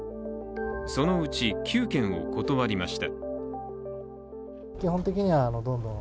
そのうち９件を断りました。